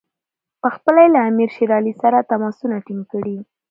پخپله یې له امیر شېر علي سره تماسونه ټینګ کړي.